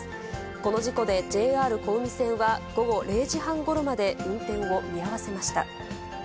この事故でＪＲ小海線は、午後０時半ごろまで運転を見合わせました。